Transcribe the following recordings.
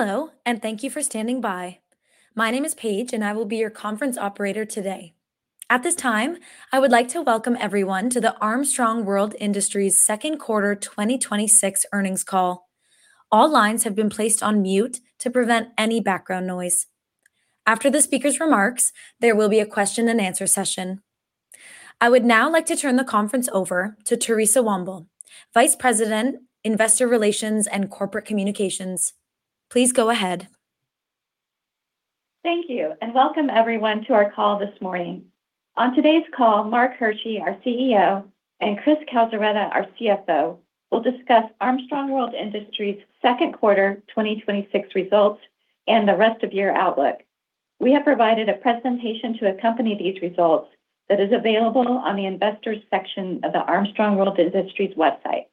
Hello, and thank you for standing by. My name is Paige, and I will be your conference operator today. At this time, I would like to welcome everyone to the Armstrong World Industries second quarter 2026 earnings call. All lines have been placed on mute to prevent any background noise. After the speaker's remarks, there will be a question and answer session. I would now like to turn the conference over to Theresa Womble, Vice President, Investor Relations and Corporate Communications. Please go ahead. Thank you. Welcome everyone to our call this morning. On today's call, Mark Hershey, our CEO, and Chris Calzaretta, our CFO, will discuss Armstrong World Industries' second quarter 2026 results and the rest of year outlook. We have provided a presentation to accompany these results that is available on the investors section of the Armstrong World Industries website.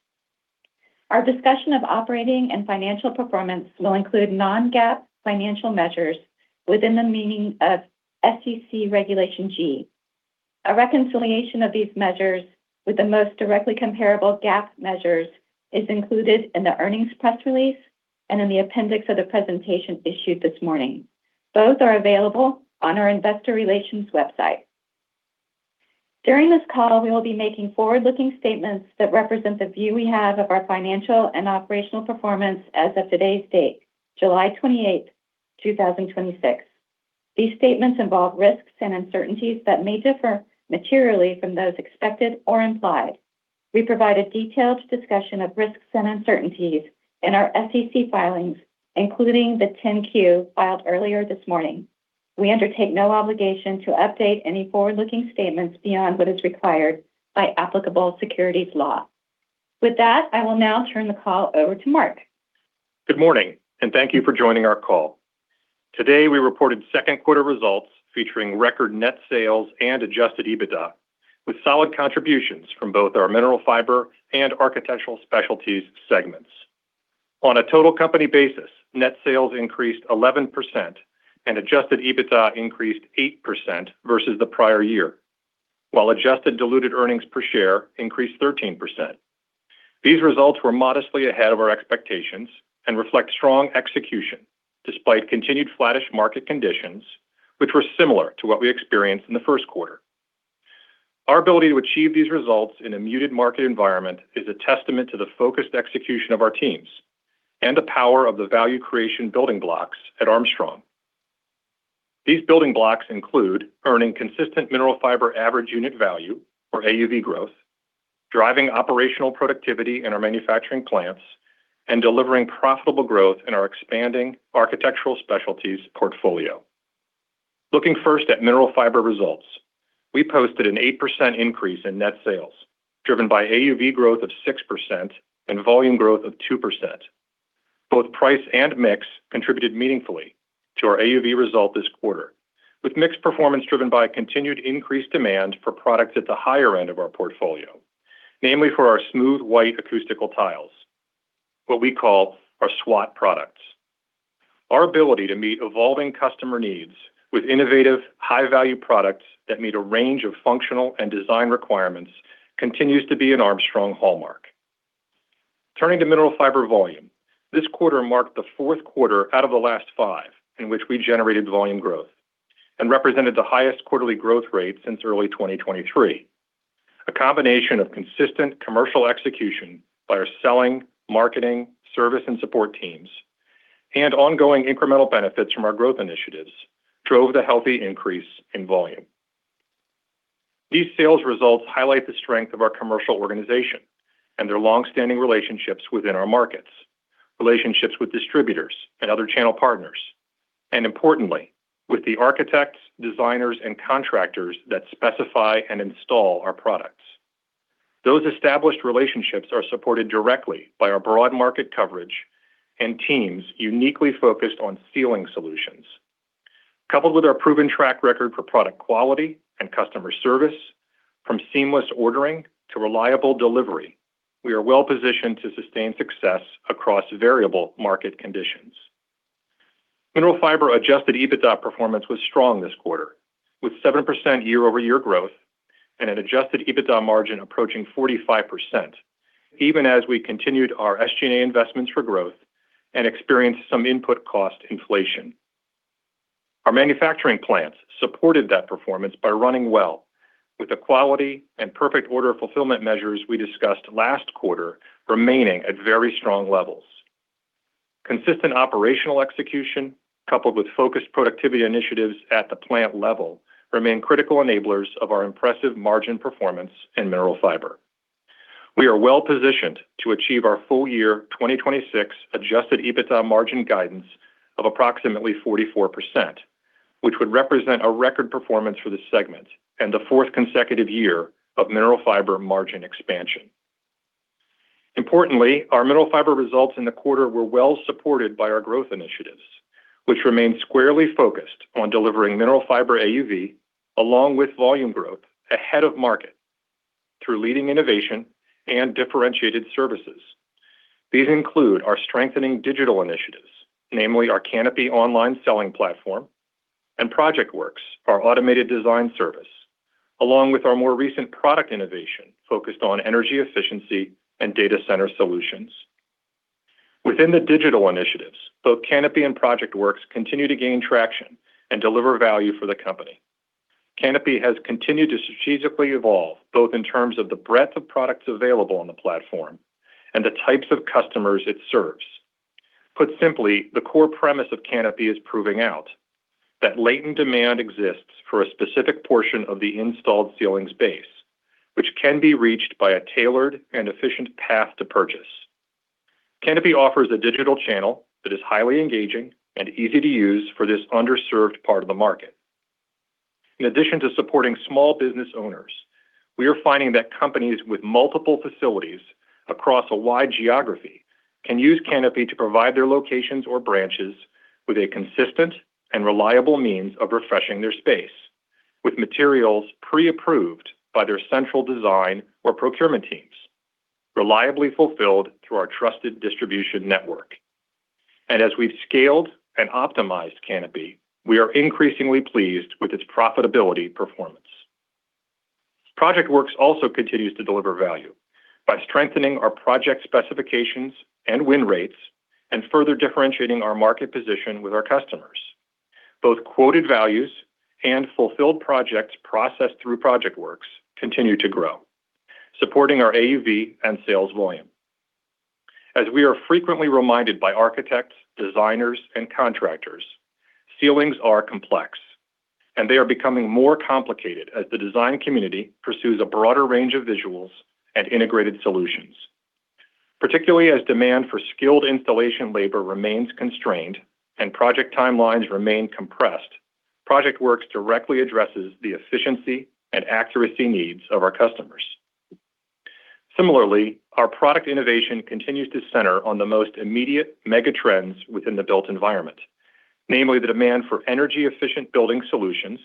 Our discussion of operating and financial performance will include non-GAAP financial measures within the meaning of SEC Regulation G. A reconciliation of these measures with the most directly comparable GAAP measures is included in the earnings press release and in the appendix of the presentation issued this morning. Both are available on our investor relations website. During this call, we will be making forward-looking statements that represent the view we have of our financial and operational performance as of today's date, July 28th, 2026. These statements involve risks and uncertainties that may differ materially from those expected or implied. We provide a detailed discussion of risks and uncertainties in our SEC filings, including the 10-Q filed earlier this morning. We undertake no obligation to update any forward-looking statements beyond what is required by applicable securities law. With that, I will now turn the call over to Mark. Good morning. Thank you for joining our call. Today, we reported second quarter results featuring record net sales and adjusted EBITDA, with solid contributions from both our Mineral Fiber and Architectural Specialties segments. On a total company basis, net sales increased 11% and adjusted EBITDA increased 8% versus the prior year, while adjusted diluted earnings per share increased 13%. These results were modestly ahead of our expectations and reflect strong execution despite continued flattish market conditions, which were similar to what we experienced in the first quarter. Our ability to achieve these results in a muted market environment is a testament to the focused execution of our teams and the power of the value creation building blocks at Armstrong. These building blocks include earning consistent Mineral Fiber Average Unit Value or AUV growth, driving operational productivity in our manufacturing plants, and delivering profitable growth in our expanding Architectural Specialties portfolio. Looking first at Mineral Fiber results, we posted an 8% increase in net sales, driven by AUV growth of 6% and volume growth of 2%. Both price and mix contributed meaningfully to our AUV result this quarter, with mix performance driven by continued increased demand for products at the higher end of our portfolio, namely for our smooth white acoustical tiles, what we call our SWAT products. Our ability to meet evolving customer needs with innovative high-value products that meet a range of functional and design requirements continues to be an Armstrong hallmark. Turning to Mineral Fiber volume, this quarter marked the fourth quarter out of the last five in which we generated volume growth and represented the highest quarterly growth rate since early 2023. A combination of consistent commercial execution by our selling, marketing, service, and support teams and ongoing incremental benefits from our growth initiatives drove the healthy increase in volume. These sales results highlight the strength of our commercial organization and their long-standing relationships within our markets, relationships with distributors and other channel partners, and importantly, with the architects, designers, and contractors that specify and install our products. Those established relationships are supported directly by our broad market coverage and teams uniquely focused on ceiling solutions. Coupled with our proven track record for product quality and customer service, from seamless ordering to reliable delivery, we are well-positioned to sustain success across variable market conditions. Mineral Fiber adjusted EBITDA performance was strong this quarter, with 7% year-over-year growth and an adjusted EBITDA margin approaching 45%, even as we continued our SG&A investments for growth and experienced some input cost inflation. Our manufacturing plants supported that performance by running well with the quality and perfect order fulfillment measures we discussed last quarter remaining at very strong levels. Consistent operational execution coupled with focused productivity initiatives at the plant level remain critical enablers of our impressive margin performance in Mineral Fiber. We are well-positioned to achieve our full year 2026 adjusted EBITDA margin guidance of approximately 44%, which would represent a record performance for this segment and the fourth consecutive year of Mineral Fiber margin expansion. Importantly, our Mineral Fiber results in the quarter were well-supported by our growth initiatives, which remain squarely focused on delivering Mineral Fiber AUV along with volume growth ahead of market through leading innovation and differentiated services. These include our strengthening digital initiatives, namely our Kanopi online selling platform, and ProjectWorks, our automated design service along with our more recent product innovation focused on energy efficiency and data center solutions. Within the digital initiatives, both Kanopi and ProjectWorks continue to gain traction and deliver value for the company. Kanopi has continued to strategically evolve, both in terms of the breadth of products available on the platform and the types of customers it serves. Put simply, the core premise of Kanopi is proving out that latent demand exists for a specific portion of the installed ceilings base, which can be reached by a tailored and efficient path to purchase. Kanopi offers a digital channel that is highly engaging and easy to use for this underserved part of the market. In addition to supporting small business owners, we are finding that companies with multiple facilities across a wide geography can use Kanopi to provide their locations or branches with a consistent and reliable means of refreshing their space with materials pre-approved by their central design or procurement teams, reliably fulfilled through our trusted distribution network. As we've scaled and optimized Kanopi, we are increasingly pleased with its profitability performance. ProjectWorks also continues to deliver value by strengthening our project specifications and win rates and further differentiating our market position with our customers. Both quoted values and fulfilled projects processed through ProjectWorks continue to grow, supporting our AUV and sales volume. As we are frequently reminded by architects, designers, and contractors, ceilings are complex, and they are becoming more complicated as the design community pursues a broader range of visuals and integrated solutions. Particularly as demand for skilled installation labor remains constrained and project timelines remain compressed, ProjectWorks directly addresses the efficiency and accuracy needs of our customers. Similarly, our product innovation continues to center on the most immediate mega trends within the built environment, namely the demand for energy-efficient building solutions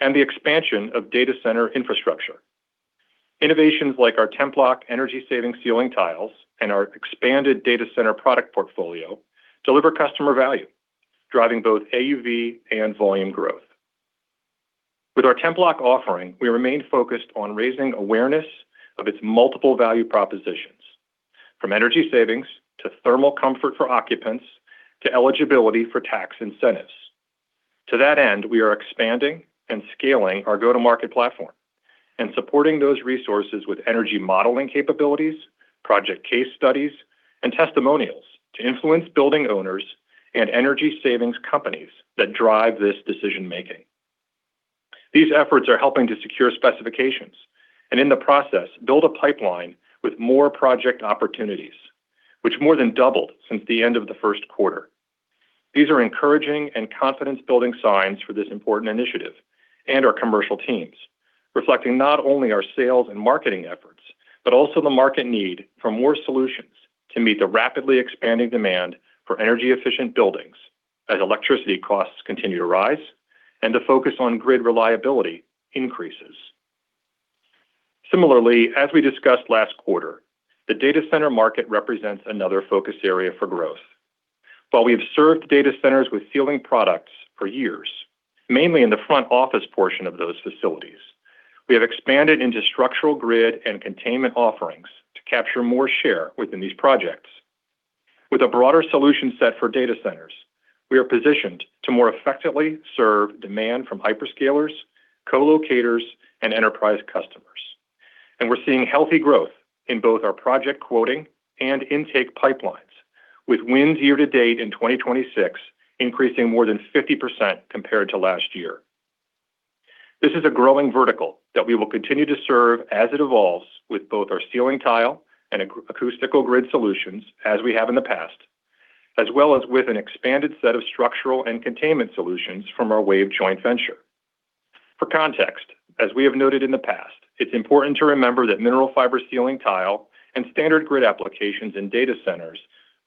and the expansion of data center infrastructure. Innovations like our TEMPLOK energy-saving ceiling tiles and our expanded data center product portfolio deliver customer value, driving both AUV and volume growth. With our TEMPLOK offering, we remain focused on raising awareness of its multiple value propositions, from energy savings to thermal comfort for occupants, to eligibility for tax incentives. To that end, we are expanding and scaling our go-to-market platform and supporting those resources with energy modeling capabilities, project case studies, and testimonials to influence building owners and energy savings companies that drive this decision-making. These efforts are helping to secure specifications and, in the process, build a pipeline with more project opportunities, which more than doubled since the end of the first quarter. These are encouraging and confidence-building signs for this important initiative and our commercial teams, reflecting not only our sales and marketing efforts, but also the market need for more solutions to meet the rapidly expanding demand for energy-efficient buildings as electricity costs continue to rise and the focus on grid reliability increases. Similarly, as we discussed last quarter, the data center market represents another focus area for growth. While we have served data centers with ceiling products for years, mainly in the front office portion of those facilities, we have expanded into structural grid and containment offerings to capture more share within these projects. With a broader solution set for data centers, we are positioned to more effectively serve demand from hyperscalers, co-locators, and enterprise customers. We're seeing healthy growth in both our project quoting and intake pipelines, with wins year to date in 2026 increasing more than 50% compared to last year. This is a growing vertical that we will continue to serve as it evolves with both our ceiling tile and acoustical grid solutions as we have in the past, as well as with an expanded set of structural and containment solutions from our WAVE joint venture. For context, as we have noted in the past, it's important to remember that Mineral Fiber ceiling tile and standard grid applications in data centers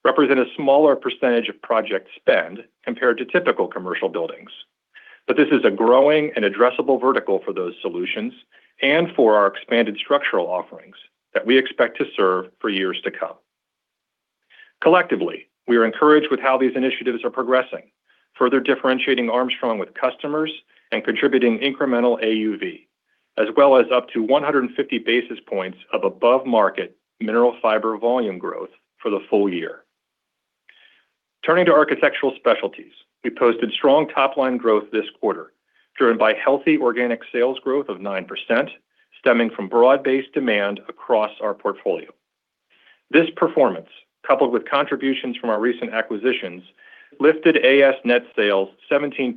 represent a smaller percentage of project spend compared to typical commercial buildings. This is a growing and addressable vertical for those solutions and for our expanded structural offerings that we expect to serve for years to come. Collectively, we are encouraged with how these initiatives are progressing, further differentiating Armstrong with customers and contributing incremental AUV, as well as up to 150 basis points of above-market Mineral Fiber volume growth for the full year. Turning to Architectural Specialties, we posted strong top-line growth this quarter, driven by healthy organic sales growth of 9%, stemming from broad-based demand across our portfolio. This performance, coupled with contributions from our recent acquisitions, lifted AS net sales 17%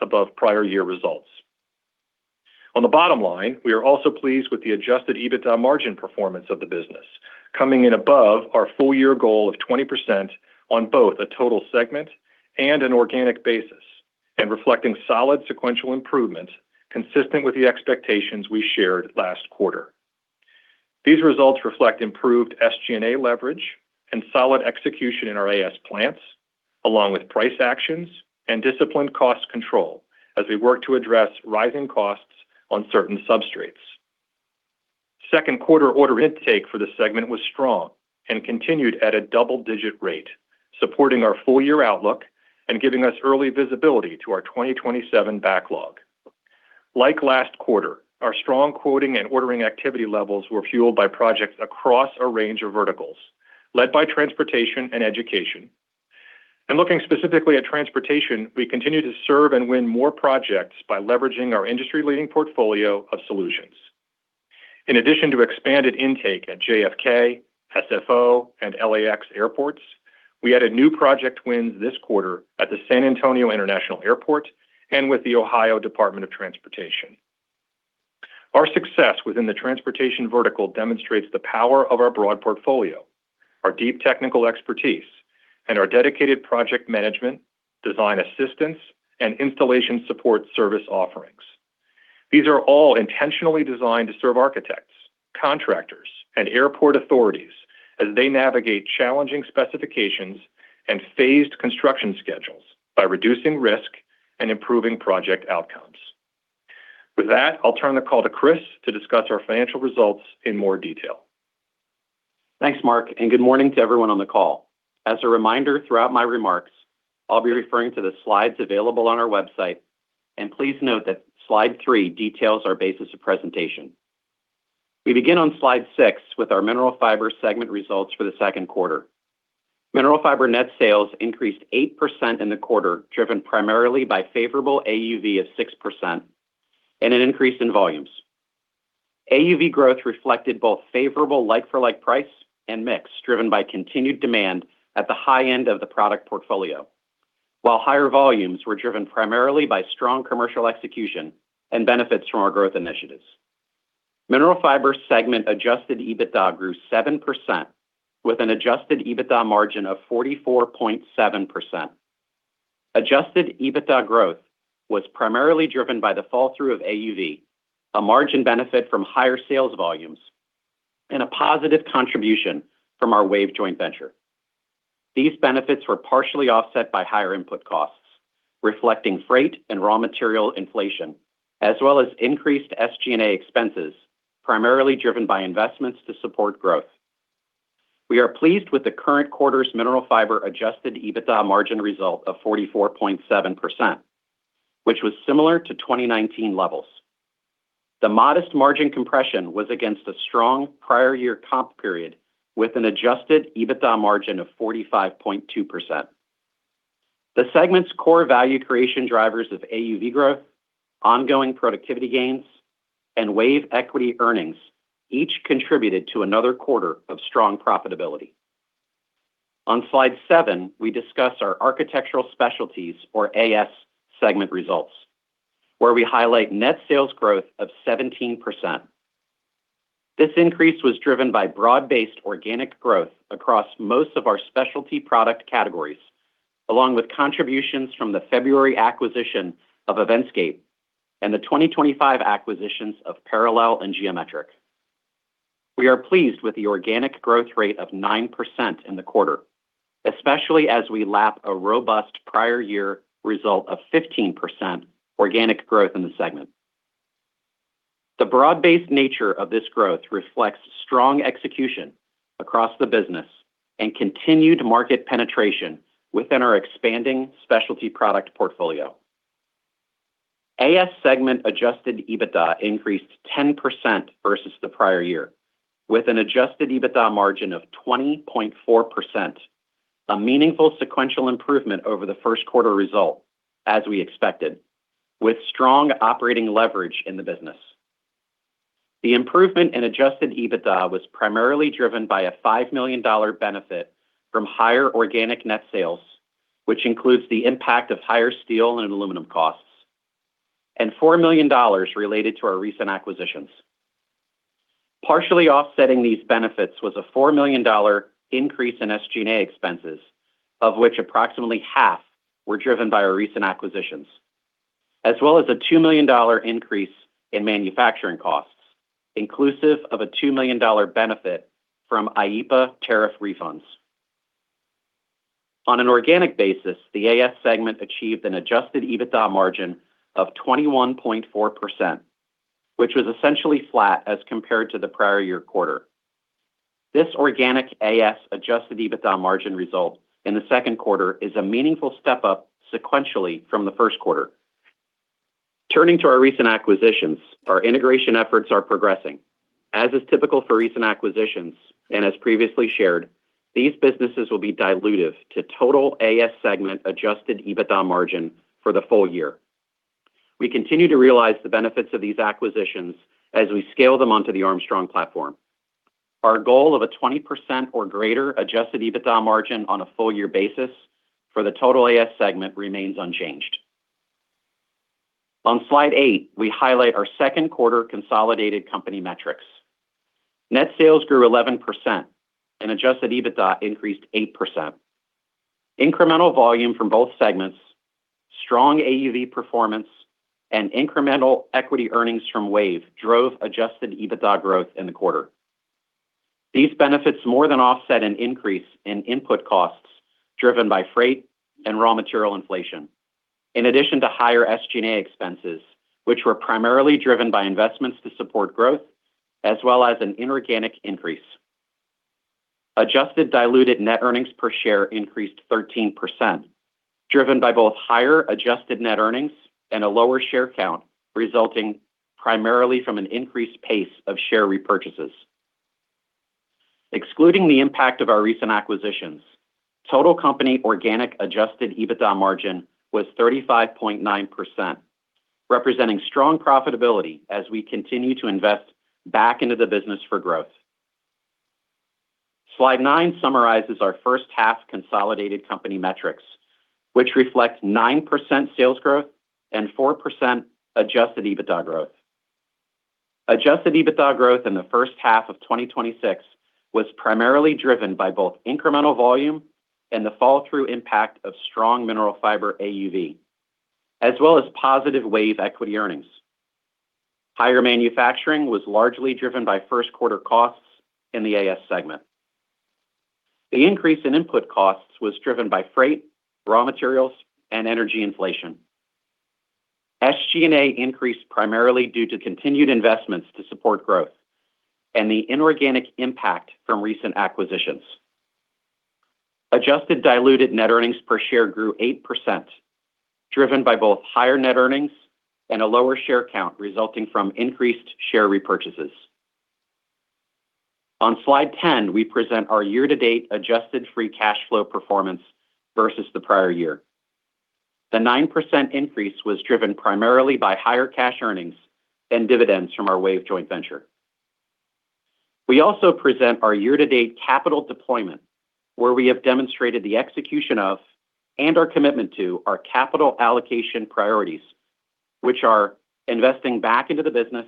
above prior year results. On the bottom line, we are also pleased with the adjusted EBITDA margin performance of the business, coming in above our full-year goal of 20% on both a total segment and an organic basis, and reflecting solid sequential improvement consistent with the expectations we shared last quarter. These results reflect improved SG&A leverage and solid execution in our AS plants, along with price actions and disciplined cost control as we work to address rising costs on certain substrates. Second quarter order intake for the segment was strong and continued at a double-digit rate, supporting our full-year outlook and giving us early visibility to our 2027 backlog. Like last quarter, our strong quoting and ordering activity levels were fueled by projects across a range of verticals, led by transportation and education. Looking specifically at transportation, we continue to serve and win more projects by leveraging our industry-leading portfolio of solutions. In addition to expanded intake at JFK, SFO, and LAX airports, we had new project wins this quarter at the San Antonio International Airport and with the Ohio Department of Transportation. Our success within the transportation vertical demonstrates the power of our broad portfolio, our deep technical expertise, and our dedicated project management, design assistance, and installation support service offerings. These are all intentionally designed to serve architects, contractors, and airport authorities as they navigate challenging specifications and phased construction schedules by reducing risk and improving project outcomes. With that, I'll turn the call to Chris to discuss our financial results in more detail. Thanks, Mark, and good morning to everyone on the call. As a reminder, throughout my remarks, I'll be referring to the slides available on our website, and please note that slide three details our basis of presentation. We begin on slide six with our Mineral Fiber segment results for the second quarter. Mineral Fiber net sales increased 8% in the quarter, driven primarily by favorable AUV of 6% and an increase in volumes. AUV growth reflected both favorable like-for-like price and mix, driven by continued demand at the high end of the product portfolio. While higher volumes were driven primarily by strong commercial execution and benefits from our growth initiatives. Mineral Fiber segment adjusted EBITDA grew 7%, with an adjusted EBITDA margin of 44.7%. Adjusted EBITDA growth was primarily driven by the fall through of AUV, a margin benefit from higher sales volumes, and a positive contribution from our WAVE joint venture. These benefits were partially offset by higher input costs, reflecting freight and raw material inflation, as well as increased SG&A expenses, primarily driven by investments to support growth. We are pleased with the current quarter's Mineral Fiber adjusted EBITDA margin result of 44.7%, which was similar to 2019 levels. The modest margin compression was against a strong prior year comp period with an adjusted EBITDA margin of 45.2%. The segment's core value creation drivers of AUV growth, ongoing productivity gains, and WAVE equity earnings each contributed to another quarter of strong profitability. On slide seven, we discuss our Architectural Specialties, or AS, segment results, where we highlight net sales growth of 17%. This increase was driven by broad-based organic growth across most of our specialty product categories, along with contributions from the February acquisition of Eventscape and the 2025 acquisitions of Parallel and Geometrik. We are pleased with the organic growth rate of 9% in the quarter, especially as we lap a robust prior year result of 15% organic growth in the segment. The broad-based nature of this growth reflects strong execution across the business and continued market penetration within our expanding specialty product portfolio. AS segment adjusted EBITDA increased 10% versus the prior year with an adjusted EBITDA margin of 20.4%, a meaningful sequential improvement over the first quarter result, as we expected, with strong operating leverage in the business. The improvement in adjusted EBITDA was primarily driven by a $5 million benefit from higher organic net sales, which includes the impact of higher steel and aluminum costs, and $4 million related to our recent acquisitions. Partially offsetting these benefits was a $4 million increase in SG&A expenses, of which approximately half were driven by our recent acquisitions, as well as a $2 million increase in manufacturing costs, inclusive of a $2 million benefit from IEEPA tariff refunds. On an organic basis, the AS segment achieved an adjusted EBITDA margin of 21.4%, which was essentially flat as compared to the prior year quarter. This organic AS adjusted EBITDA margin result in the second quarter is a meaningful step up sequentially from the first quarter. Turning to our recent acquisitions, our integration efforts are progressing. As is typical for recent acquisitions, as previously shared, these businesses will be dilutive to total AS segment adjusted EBITDA margin for the full year. We continue to realize the benefits of these acquisitions as we scale them onto the Armstrong platform. Our goal of a 20% or greater adjusted EBITDA margin on a full year basis for the total AS segment remains unchanged. On slide eight, we highlight our second quarter consolidated company metrics. Net sales grew 11% and adjusted EBITDA increased 8%. Incremental volume from both segments, strong AUV performance, and incremental equity earnings from WAVE drove adjusted EBITDA growth in the quarter. These benefits more than offset an increase in input costs driven by freight and raw material inflation, in addition to higher SG&A expenses, which were primarily driven by investments to support growth, as well as an inorganic increase. Adjusted diluted net earnings per share increased 13%, driven by both higher adjusted net earnings and a lower share count, resulting primarily from an increased pace of share repurchases. Excluding the impact of our recent acquisitions, total company organic adjusted EBITDA margin was 35.9%, representing strong profitability as we continue to invest back into the business for growth. Slide nine summarizes our first half consolidated company metrics, which reflects 9% sales growth and 4% adjusted EBITDA growth. Adjusted EBITDA growth in the first half of 2026 was primarily driven by both incremental volume and the fall-through impact of strong Mineral Fiber AUV, as well as positive Worthington Armstrong Venture equity earnings. Higher manufacturing was largely driven by first quarter costs in the Architectural Specialties segment. The increase in input costs was driven by freight, raw materials, and energy inflation. SG&A increased primarily due to continued investments to support growth and the inorganic impact from recent acquisitions. Adjusted diluted net earnings per share grew 8%, driven by both higher net earnings and a lower share count resulting from increased share repurchases. On slide 10, we present our year-to-date adjusted free cash flow performance versus the prior year. The 9% increase was driven primarily by higher cash earnings and dividends from our Worthington Armstrong Venture joint venture. We also present our year-to-date capital deployment, where we have demonstrated the execution of and our commitment to our capital allocation priorities, which are investing back into the business,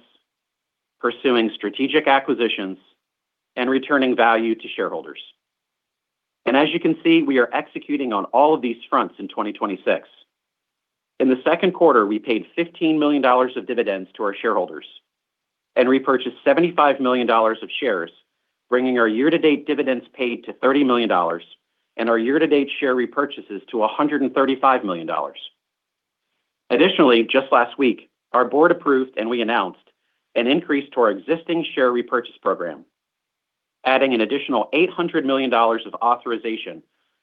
pursuing strategic acquisitions, and returning value to shareholders. As you can see, we are executing on all of these fronts in 2026. In the second quarter, we paid $15 million of dividends to our shareholders and repurchased $75 million of shares, bringing our year-to-date dividends paid to $30 million and our year-to-date share repurchases to $135 million. Additionally, just last week, our board approved and we announced an increase to our existing share repurchase program, adding an additional $800 million of authorization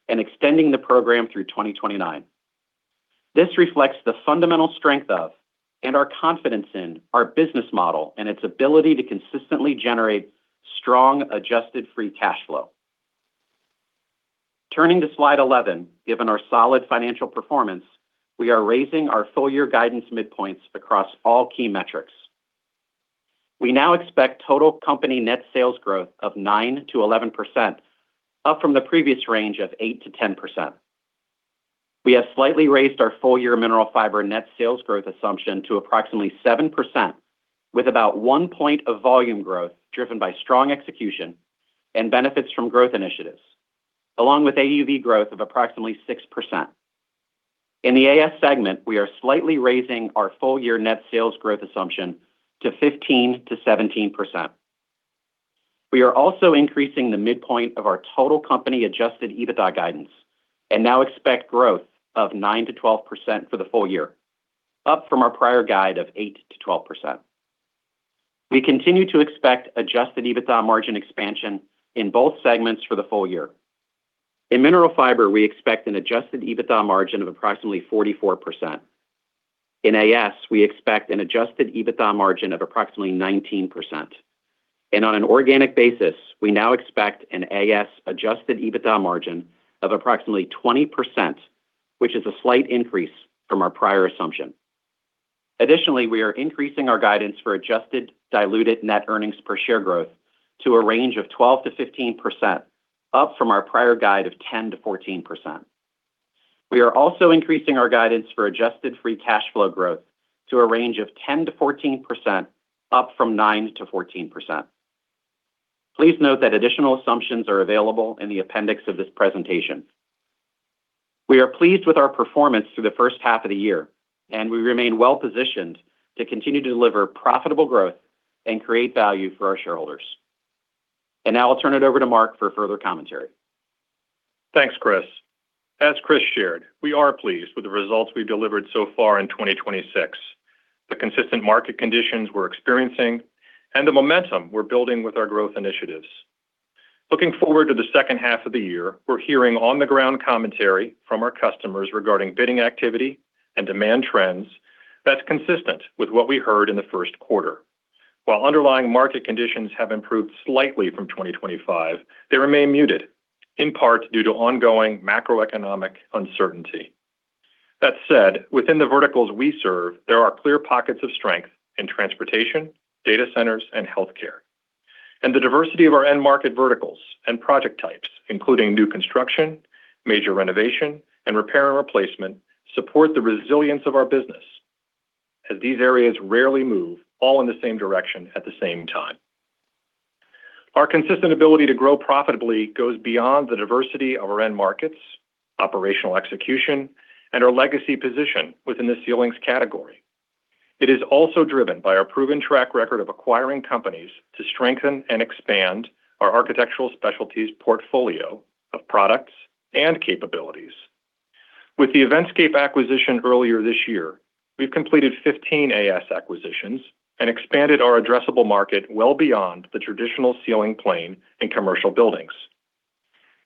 and extending the program through 2029. This reflects the fundamental strength of and our confidence in our business model and its ability to consistently generate strong adjusted free cash flow. Turning to slide 11, given our solid financial performance, we are raising our full-year guidance midpoints across all key metrics. We now expect total company net sales growth of 9%-11%, up from the previous range of 8%-10%. We have slightly raised our full-year Mineral Fiber net sales growth assumption to approximately 7%, with about one point of volume growth driven by strong execution and benefits from growth initiatives, along with AUV growth of approximately 6%. In the Architectural Specialties segment, we are slightly raising our full-year net sales growth assumption to 15%-17%. We are also increasing the midpoint of our total company adjusted EBITDA guidance and now expect growth of 9%-12% for the full year, up from our prior guide of 8%-12%. We continue to expect adjusted EBITDA margin expansion in both segments for the full year. In Mineral Fiber, we expect an adjusted EBITDA margin of approximately 44%. In Architectural Specialties, we expect an adjusted EBITDA margin of approximately 19%. On an organic basis, we now expect an AS adjusted EBITDA margin of approximately 20%, which is a slight increase from our prior assumption. Additionally, we are increasing our guidance for adjusted diluted net earnings per share growth to a range of 12%-15%, up from our prior guide of 10%-14%. We are also increasing our guidance for adjusted free cash flow growth to a range of 10%-14%, up from 9%-14%. Please note that additional assumptions are available in the appendix of this presentation. We are pleased with our performance through the first half of the year, and we remain well-positioned to continue to deliver profitable growth and create value for our shareholders. Now I'll turn it over to Mark for further commentary. Thanks, Chris. As Chris shared, we are pleased with the results we've delivered so far in 2026. The consistent market conditions we're experiencing and the momentum we're building with our growth initiatives. Looking forward to the second half of the year, we're hearing on-the-ground commentary from our customers regarding bidding activity and demand trends that's consistent with what we heard in the first quarter. While underlying market conditions have improved slightly from 2025, they remain muted, in part due to ongoing macroeconomic uncertainty. That said, within the verticals we serve, there are clear pockets of strength in transportation, data centers, and healthcare. The diversity of our end market verticals and project types, including new construction, major renovation, and repair and replacement, support the resilience of our business, as these areas rarely move all in the same direction at the same time. Our consistent ability to grow profitably goes beyond the diversity of our end markets, operational execution, and our legacy position within the ceilings category. It is also driven by our proven track record of acquiring companies to strengthen and expand our Architectural Specialties portfolio of products and capabilities. With the Eventscape acquisition earlier this year, we've completed 15 AS acquisitions and expanded our addressable market well beyond the traditional ceiling plane in commercial buildings.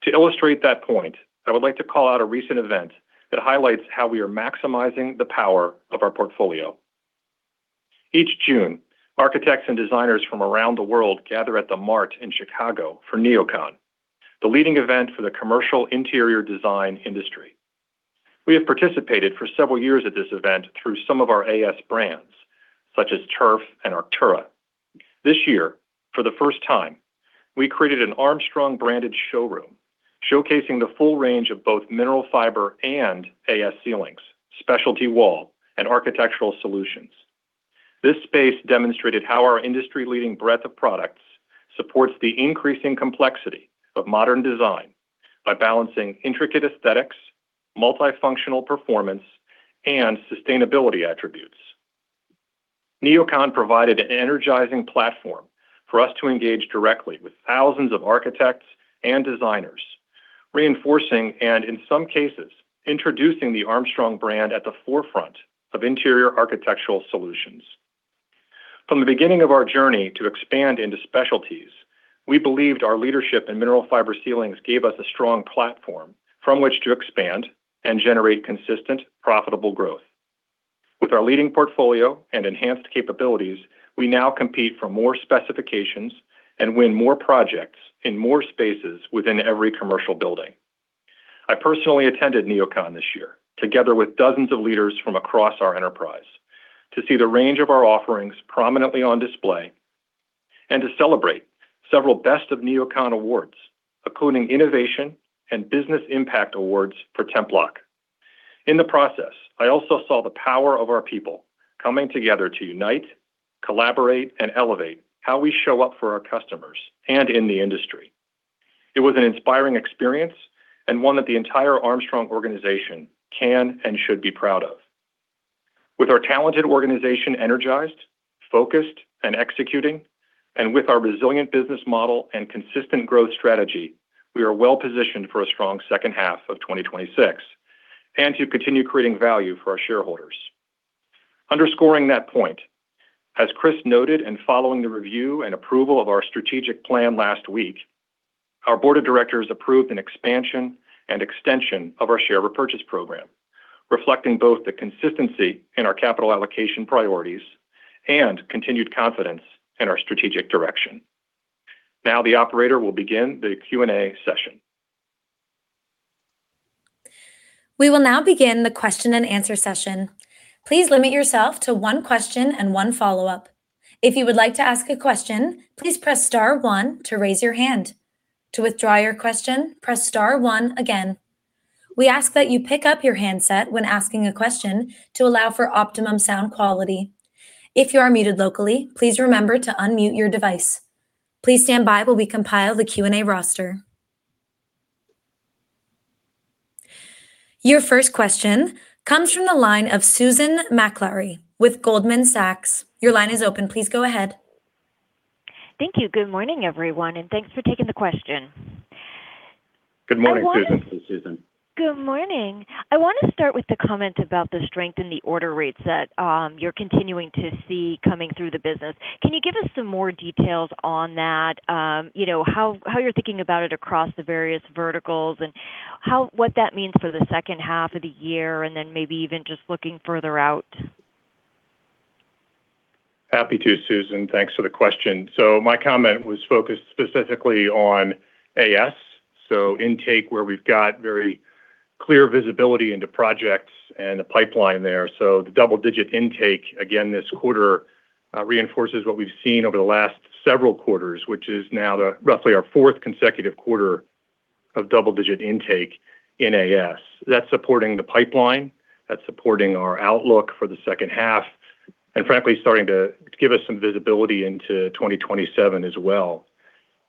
To illustrate that point, I would like to call out a recent event that highlights how we are maximizing the power of our portfolio. Each June, architects and designers from around the world gather at the Mart in Chicago for NeoCon, the leading event for the commercial interior design industry. We have participated for several years at this event through some of our AS brands such as Turf and Arktura. This year, for the first time, we created an Armstrong-branded showroom showcasing the full range of both Mineral Fiber and AS ceilings, specialty wall, and architectural solutions. This space demonstrated how our industry-leading breadth of products supports the increasing complexity of modern design by balancing intricate aesthetics, multifunctional performance, and sustainability attributes. NeoCon provided an energizing platform for us to engage directly with thousands of architects and designers, reinforcing, and in some cases, introducing the Armstrong brand at the forefront of interior architectural solutions. From the beginning of our journey to expand into specialties, we believed our leadership in Mineral Fiber ceilings gave us a strong platform from which to expand and generate consistent, profitable growth. With our leading portfolio and enhanced capabilities, we now compete for more specifications and win more projects in more spaces within every commercial building. I personally attended NeoCon this year, together with dozens of leaders from across our enterprise to see the range of our offerings prominently on display and to celebrate several Best of NeoCon awards, including Innovation and Business Impact awards for TEMPLOK. In the process, I also saw the power of our people coming together to unite, collaborate, and elevate how we show up for our customers and in the industry. It was an inspiring experience and one that the entire Armstrong organization can and should be proud of. With our talented organization energized, focused, and executing, and with our resilient business model and consistent growth strategy, we are well positioned for a strong second half of 2026 and to continue creating value for our shareholders. Underscoring that point, as Chris noted in following the review and approval of our strategic plan last week, our board of directors approved an expansion and extension of our share repurchase program, reflecting both the consistency in our capital allocation priorities and continued confidence in our strategic direction. The operator will begin the Q&A session. We will now begin the question and answer session. Please limit yourself to one question and one follow-up. If you would like to ask a question, please press star one to raise your hand. To withdraw your question, press star one again. We ask that you pick up your handset when asking a question to allow for optimum sound quality. If you are muted locally, please remember to unmute your device. Please stand by while we compile the Q&A roster. Your first question comes from the line of Susan Maklari with Goldman Sachs. Your line is open. Please go ahead. Thank you. Good morning, everyone, and thanks for taking the question. Good morning, Susan. Good morning. I want to start with the comment about the strength in the order rates that you're continuing to see coming through the business. Can you give us some more details on that? How you're thinking about it across the various verticals and what that means for the second half of the year and then maybe even just looking further out? Happy to, Susan. Thanks for the question. My comment was focused specifically on AS, intake where we've got very clear visibility into projects and the pipeline there. The double-digit intake, again this quarter, reinforces what we've seen over the last several quarters, which is now roughly our fourth consecutive quarter of double-digit intake in AS. That's supporting the pipeline, that's supporting our outlook for the second half, and frankly, starting to give us some visibility into 2027 as well.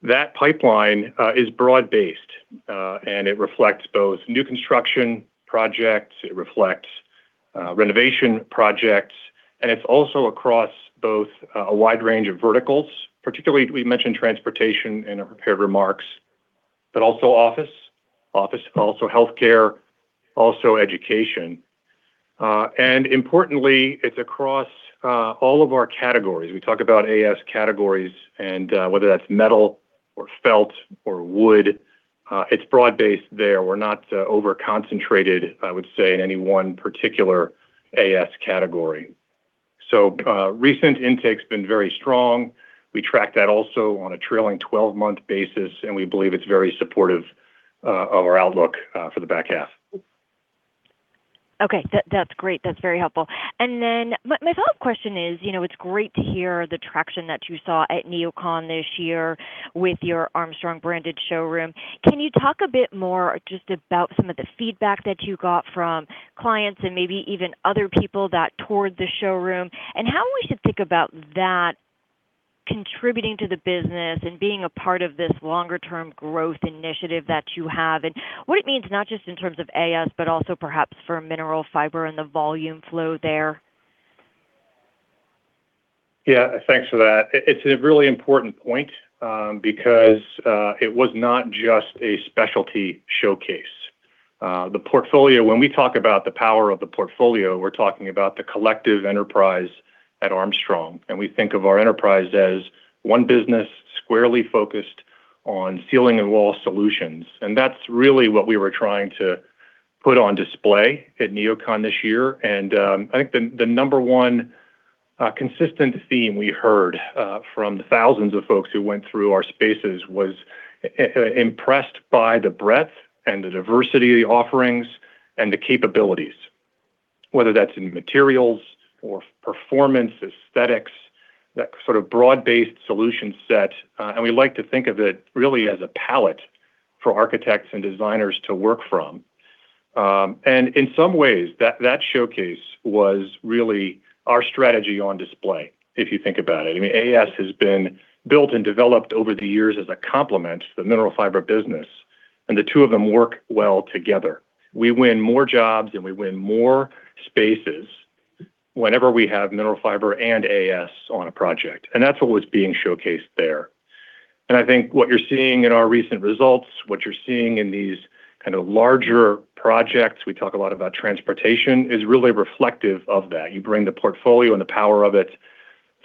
That pipeline is broad-based, and it reflects both new construction projects, it reflects renovation projects, and it's also across both a wide range of verticals. Particularly, we mentioned transportation in our prepared remarks, but also office, also healthcare, also education. Importantly, it's across all of our categories. We talk about AS categories and whether that's metal or felt or wood, it's broad-based there. We're not over-concentrated, I would say, in any one particular AS category. Recent intake's been very strong. We track that also on a trailing 12-month basis, and we believe it's very supportive of our outlook for the back half. Okay. That's great. That's very helpful. My follow-up question is, it's great to hear the traction that you saw at NeoCon this year with your Armstrong branded showroom. Can you talk a bit more just about some of the feedback that you got from clients and maybe even other people that toured the showroom and how we should think about that contributing to the business and being a part of this longer-term growth initiative that you have, and what it means not just in terms of AS, but also perhaps for Mineral Fiber and the volume flow there? Yeah. Thanks for that. It's a really important point, because it was not just a specialty showcase. When we talk about the power of the portfolio, we're talking about the collective enterprise at Armstrong, and we think of our enterprise as one business squarely focused on ceiling and wall solutions. That's really what we were trying to put on display at NeoCon this year. I think the number one consistent theme we heard from the thousands of folks who went through our spaces was impressed by the breadth and the diversity of the offerings and the capabilities. Whether that's in materials or performance, aesthetics, that sort of broad-based solution set. We like to think of it really as a palette for architects and designers to work from. In some ways, that showcase was really our strategy on display, if you think about it. I mean, AS has been built and developed over the years as a complement to the Mineral Fiber business, and the two of them work well together. We win more jobs and we win more spaces whenever we have Mineral Fiber and AS on a project. That's what was being showcased there. I think what you're seeing in our recent results, what you're seeing in these kind of larger projects, we talk a lot about transportation, is really reflective of that. You bring the portfolio and the power of it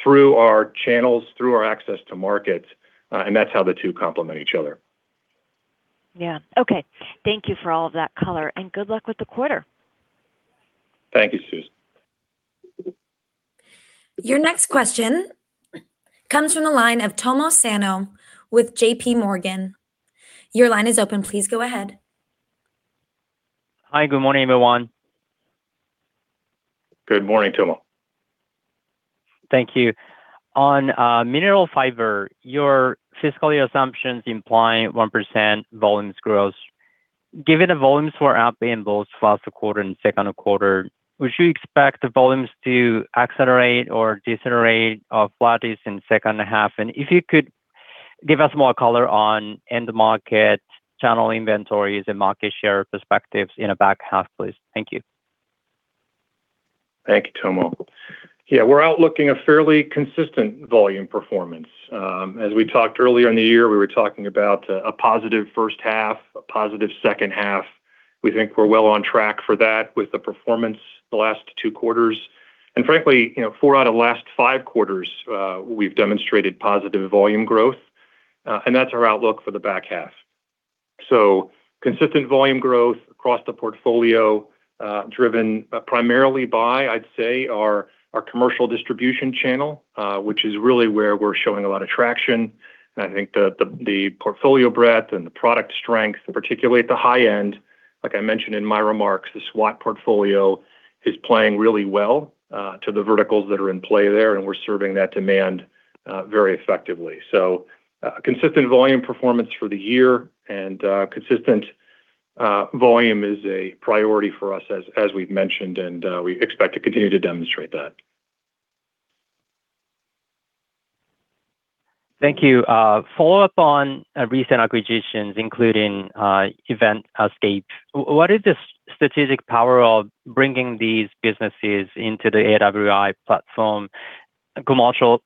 through our channels, through our access to market, and that's how the two complement each other. Yeah. Okay. Thank you for all of that color, and good luck with the quarter. Thank you, Susan. Your next question comes from the line of Tomo Sano with JPMorgan. Your line is open. Please go ahead. Hi. Good morning, everyone. Good morning, Tomo. Thank you. On Mineral Fiber, your fiscal year assumptions implying 1% volumes growth. Given the volumes were out in both first quarter and second quarter, would you expect the volumes to accelerate or decelerate or flattish in second half? If you could give us more color on end market, channel inventories, and market share perspectives in the back half, please. Thank you. Thank you, Tomo. Yeah, we're outlooking a fairly consistent volume performance. As we talked earlier in the year, we were talking about a positive first half, a positive second half. We think we're well on track for that with the performance the last two quarters. Frankly, four out of the last five quarters, we've demonstrated positive volume growth. That's our outlook for the back half. Consistent volume growth across the portfolio, driven primarily by, I'd say, our commercial distribution channel, which is really where we're showing a lot of traction. I think the portfolio breadth and the product strength, and particularly at the high end, like I mentioned in my remarks, the SWAT portfolio is playing really well, to the verticals that are in play there, and we're serving that demand very effectively. Consistent volume performance for the year and consistent volume is a priority for us as we've mentioned, and we expect to continue to demonstrate that. Thank you. Follow-up on recent acquisitions, including Eventscape. What is the strategic power of bringing these businesses into the AWI platform? Commercial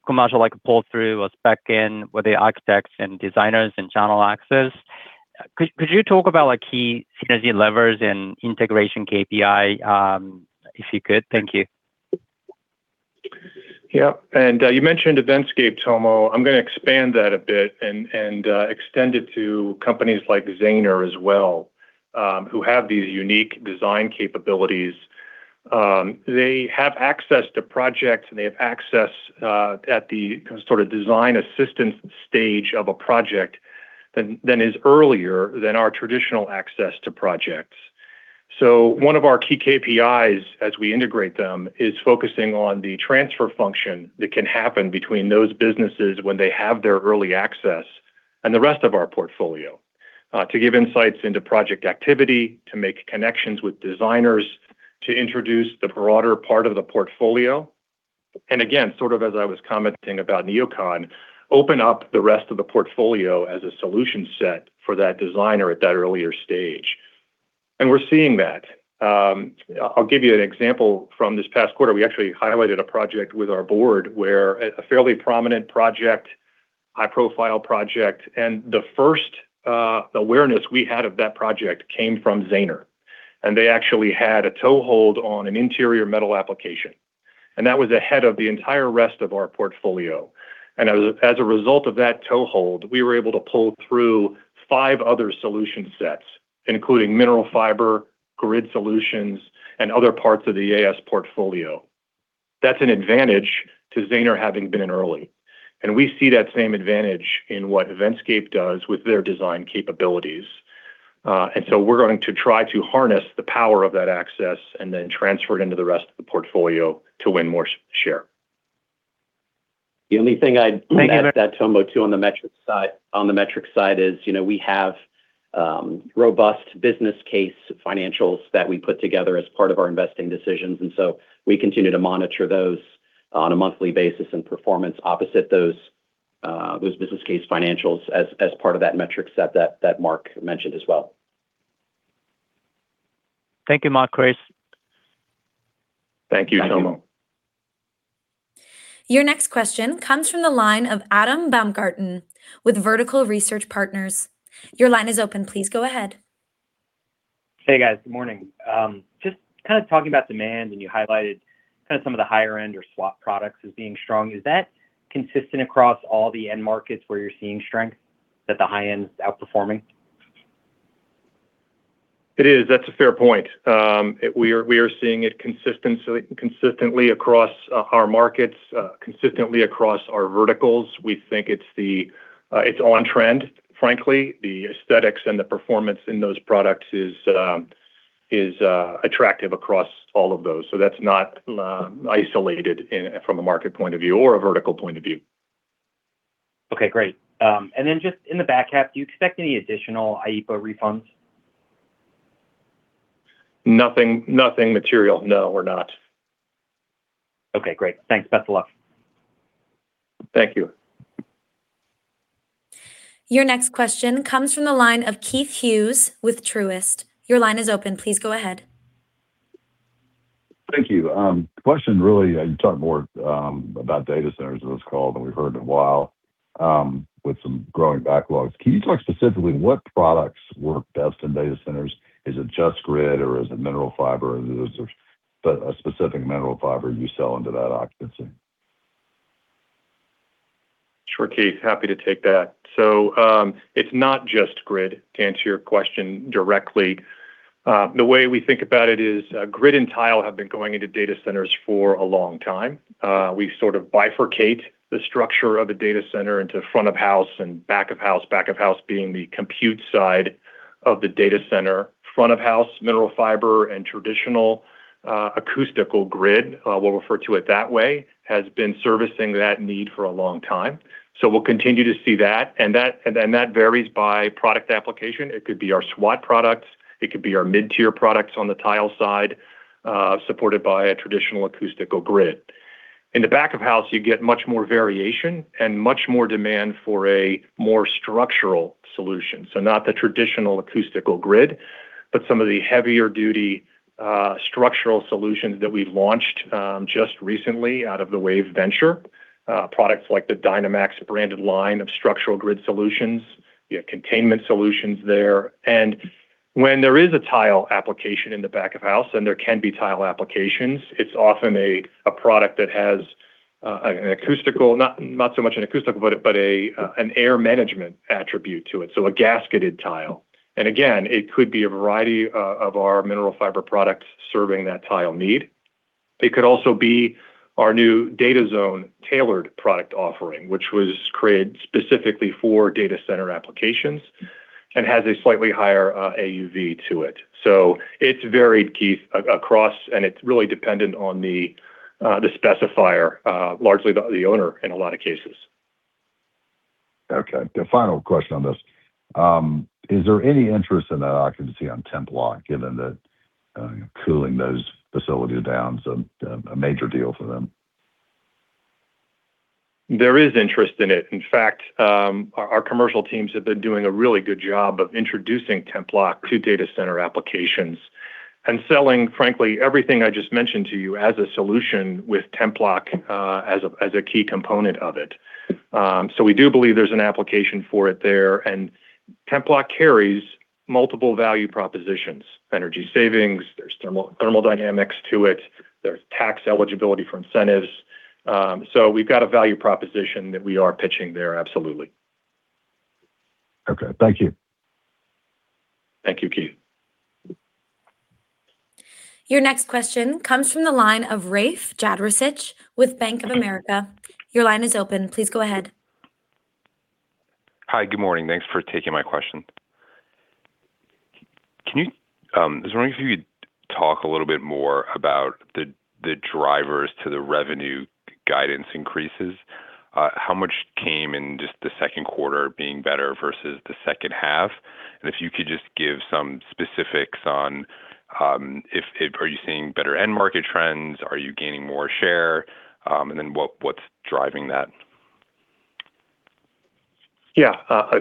pull through or spec in with the architects and designers and channel access. Could you talk about key synergy levers and integration KPI, if you could? Thank you. Yep. You mentioned Eventscape, Tomo. I'm going to expand that a bit and extend it to companies like Zahner as well, who have these unique design capabilities. They have access to projects and they have access at the design assistance stage of a project than is earlier than our traditional access to projects. One of our key KPIs as we integrate them is focusing on the transfer function that can happen between those businesses when they have their early access and the rest of our portfolio, to give insights into project activity, to make connections with designers, to introduce the broader part of the portfolio. Again, sort of as I was commenting about NeoCon, open up the rest of the portfolio as a solution set for that designer at that earlier stage. We're seeing that. I'll give you an example from this past quarter. We actually highlighted a project with our board where a fairly prominent project, high profile project, and the first awareness we had of that project came from Zahner. They actually had a toehold on an interior metal application. That was ahead of the entire rest of our portfolio. As a result of that toehold, we were able to pull through five other solution sets, including Mineral Fiber, Grid Solutions, and other parts of the AS portfolio. That's an advantage to Zahner having been in early. We see that same advantage in what Eventscape does with their design capabilities. We're going to try to harness the power of that access and then transfer it into the rest of the portfolio to win more share. The only thing I'd add to that, Tomo, too, on the metrics side is we have Robust business case financials that we put together as part of our investing decisions. We continue to monitor those on a monthly basis and performance opposite those business case financials as part of that metric set that Mark mentioned as well. Thank you, Mark, Chris. Thank you so much. Thank you. Your next question comes from the line of Adam Baumgarten with Vertical Research Partners. Your line is open. Please go ahead. Hey, guys. Good morning. Just talking about demand, and you highlighted some of the higher end or SWAT products as being strong. Is that consistent across all the end markets where you're seeing strength, that the high end is outperforming? It is. That's a fair point. We are seeing it consistently across our markets, consistently across our verticals. We think it's on trend, frankly. The aesthetics and the performance in those products is attractive across all of those. That's not isolated from a market point of view or a vertical point of view. Okay, great. Just in the back half, do you expect any additional IEEPA refunds? Nothing material, no, we're not. Okay, great. Thanks. Best of luck. Thank you. Your next question comes from the line of Keith Hughes with Truist. Your line is open. Please go ahead. Thank you. The question really, you talked more about data centers on this call, and we've heard a while with some growing backlogs. Can you talk specifically what products work best in data centers? Is it just grid, or is it mineral fiber? Is there a specific mineral fiber you sell into that occupancy? Sure, Keith. Happy to take that. It's not just grid, to answer your question directly. The way we think about it is grid and tile have been going into data centers for a long time. We sort of bifurcate the structure of a data center into front of house and back of house. Back of house being the compute side of the data center. Front of house, mineral fiber, and traditional acoustical grid, we'll refer to it that way, has been servicing that need for a long time. We'll continue to see that. That varies by product application. It could be our SWAT products, it could be our mid-tier products on the tile side, supported by a traditional acoustical grid. In the back of house, you get much more variation and much more demand for a more structural solution. Not the traditional acoustical grid, but some of the heavier duty structural solutions that we've launched just recently out of the WAVE venture. Products like the DYNAMAX branded line of structural grid solutions. You have containment solutions there. When there is a tile application in the back of house, and there can be tile applications, it's often a product that has an acoustical, not so much an acoustical, but an air management attribute to it. A gasketed tile. Again, it could be a variety of our mineral fiber products serving that tile need. It could also be our new DATAZONE tailored product offering, which was created specifically for data center applications and has a slightly higher AUV to it. It's varied, Keith, across, it's really dependent on the specifier, largely the owner in a lot of cases. Okay. The final question on this. Is there any interest in that occupancy on TEMPLOK, given that cooling those facilities down is a major deal for them? There is interest in it. In fact, our commercial teams have been doing a really good job of introducing TEMPLOK to data center applications and selling, frankly, everything I just mentioned to you as a solution with TEMPLOK as a key component of it. We do believe there's an application for it there, TEMPLOK carries multiple value propositions, energy savings. There's thermal dynamics to it. There's tax eligibility for incentives. We've got a value proposition that we are pitching there, absolutely. Okay. Thank you. Thank you, Keith. Your next question comes from the line of Rafe Jadrosich with Bank of America. Your line is open. Please go ahead. Hi, good morning. Thanks for taking my question. I was wondering if you could talk a little bit more about the drivers to the revenue guidance increases. How much came in just the second quarter being better versus the second half? If you could just give some specifics on are you seeing better end market trends? Are you gaining more share? What's driving that? Yeah.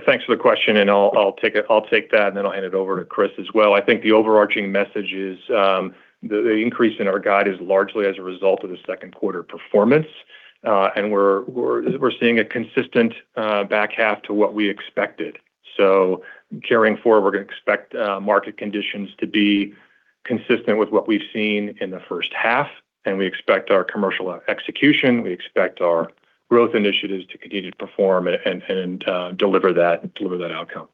Thanks for the question. I'll take that, then I'll hand it over to Chris as well. I think the overarching message is the increase in our guide is largely as a result of the second quarter performance. We're seeing a consistent back half to what we expected. Carrying forward, we're going to expect market conditions to be consistent with what we've seen in the first half. We expect our commercial execution, we expect our growth initiatives to continue to perform and deliver that outcome.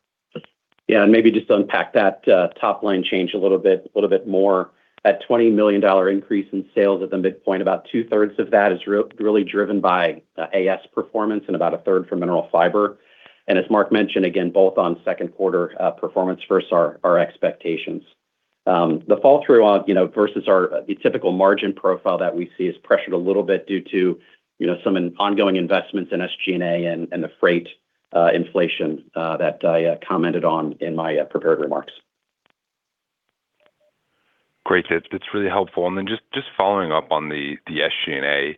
Yeah, maybe just unpack that top line change a little bit more. That $20 million increase in sales at the midpoint, about two-thirds of that is really driven by AS performance and about a third from Mineral Fiber. As Mark mentioned, again, both on second quarter performance versus our expectations. The fall through on versus the typical margin profile that we see is pressured a little bit due to some ongoing investments in SG&A and the freight inflation that I commented on in my prepared remarks. Great. That's really helpful. Just following up on the SG&A,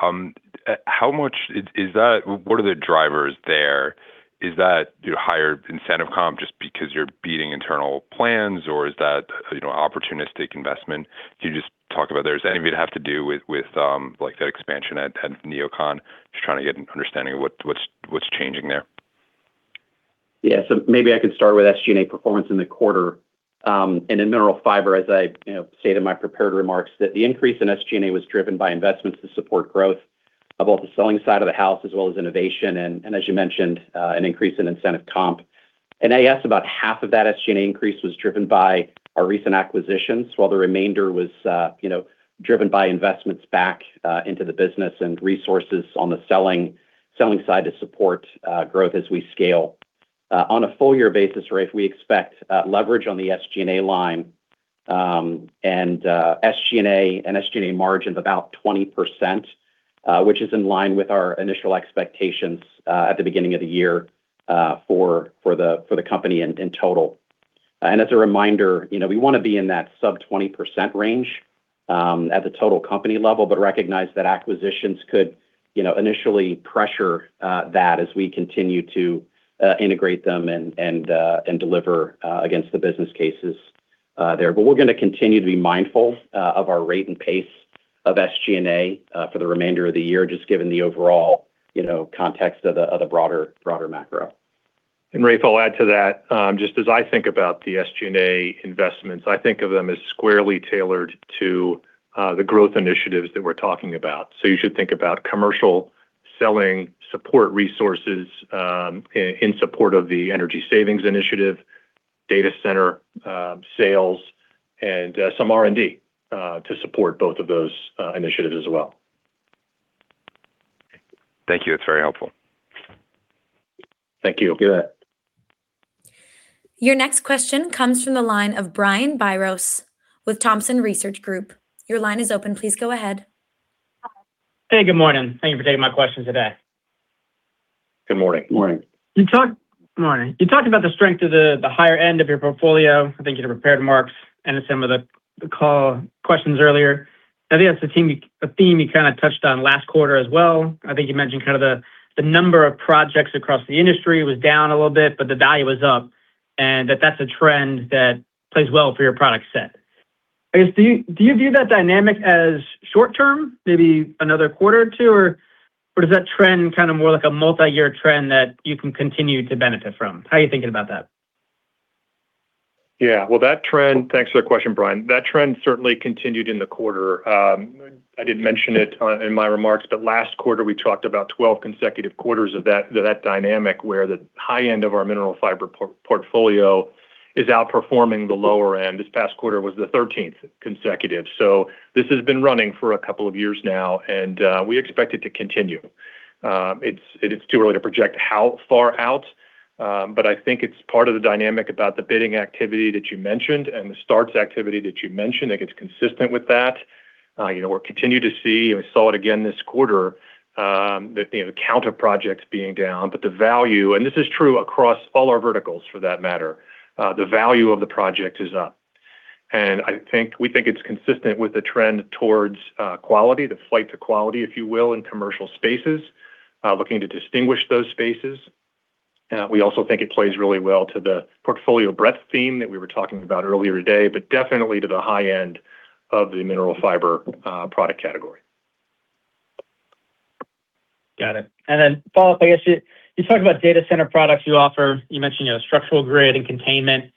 what are the drivers there? Is that higher incentive comp just because you're beating internal plans or is that opportunistic investment? Can you just talk about does any of it have to do with that expansion at NeoCon? Just trying to get an understanding of what's changing there. Maybe I can start with SG&A performance in the quarter. In Mineral Fiber, as I say in my prepared remarks, the increase in SG&A was driven by investments to support growth of both the selling side of the house as well as innovation, and as you mentioned, an increase in incentive comp. In AS, about half of that SG&A increase was driven by our recent acquisitions, while the remainder was driven by investments back into the business and resources on the selling side to support growth as we scale. On a full year basis, Rafe, we expect leverage on the SG&A line, and SG&A margins about 20%, which is in line with our initial expectations at the beginning of the year for the company in total. As a reminder, we want to be in that sub 20% range at the total company level, but recognize that acquisitions could initially pressure that as we continue to integrate them and deliver against the business cases there. We're going to continue to be mindful of our rate and pace of SG&A for the remainder of the year, just given the overall context of the broader macro. Rafe, I'll add to that. Just as I think about the SG&A investments, I think of them as squarely tailored to the growth initiatives that we're talking about. You should think about commercial selling support resources in support of the energy savings initiative, data center sales, and some R&D to support both of those initiatives as well. Thank you. That's very helpful. Thank you. You bet. Your next question comes from the line of Brian Biros with Thompson Research Group. Your line is open. Please go ahead. Hey, good morning. Thank you for taking my question today. Good morning. Morning. Morning. You talked about the strength of the higher end of your portfolio, I think in your prepared remarks and in some of the call questions earlier. I think that's a theme you kind of touched on last quarter as well. I think you mentioned kind of the number of projects across the industry was down a little bit, but the value was up, and that that's a trend that plays well for your product set. I guess, do you view that dynamic as short-term, maybe another quarter or two, or is that trend kind of more like a multi-year trend that you can continue to benefit from? How are you thinking about that? Yeah. Thanks for the question, Brian. That trend certainly continued in the quarter. I didn't mention it in my remarks, last quarter, we talked about 12 consecutive quarters of that dynamic where the high end of our Mineral Fiber portfolio is outperforming the lower end. This past quarter was the 13th consecutive. This has been running for a couple of years now, and we expect it to continue. It is too early to project how far out, I think it's part of the dynamic about the bidding activity that you mentioned and the starts activity that you mentioned that gets consistent with that. We'll continue to see, we saw it again this quarter, the count of projects being down, the value, and this is true across all our verticals for that matter. The value of the project is up. We think it's consistent with the trend towards quality, the flight to quality, if you will, in commercial spaces, looking to distinguish those spaces. We also think it plays really well to the portfolio breadth theme that we were talking about earlier today, definitely to the high end of the Mineral Fiber product category. Got it. Follow-up, I guess you talked about data center products you offer. You mentioned your structural grid and containment.